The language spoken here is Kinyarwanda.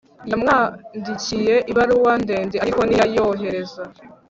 yamwandikiye ibaruwa ndende, ariko ntiyayohereza